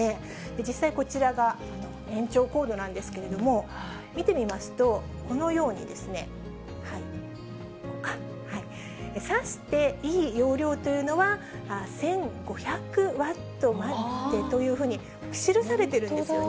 実際こちらが延長コードなんですけれども、見てみますと、このように、差していい容量というのは１５００ワットまでというふうに記されているんですよね。